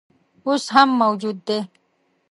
اوس هم موجود دی.